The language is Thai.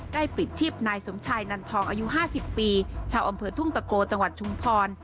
ปลิดชีพนายสมชายนันทองอายุ๕๐ปีชาวอำเภอทุ่งตะโกจังหวัดชุมพร